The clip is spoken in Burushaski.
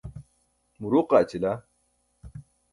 muruuq aaćila.